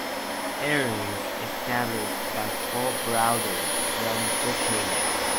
Eren was established by four brothers from Bitlis.